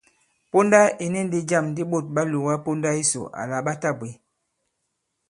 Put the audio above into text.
Ponda ì ni ndī jâm di ɓôt ɓa lòga ponda yisò àlà ɓa tabwě.